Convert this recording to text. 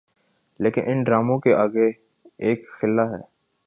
لیکن ان ڈراموں کے آگے ایک خلاہے۔